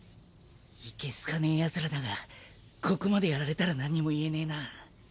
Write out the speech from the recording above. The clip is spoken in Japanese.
いけすかねえヤツらだがここまでやられたら何にも言えねえな。